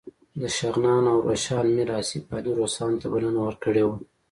د شغنان او روشان میر آصف علي روسانو ته بلنه ورکړې وه.